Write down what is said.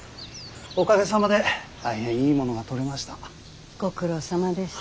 おかげさまで大変いいものが撮れました。